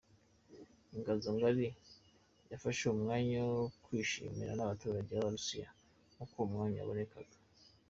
Inganzo Ngari ryafashe umwanya wo kwishimana n’abaturage b’Abarusiya uko umwanya wabonekaga.